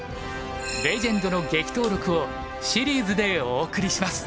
レジェンドの激闘録をシリーズでお送りします。